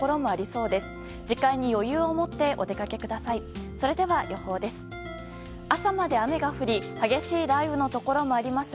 それでは、予報です。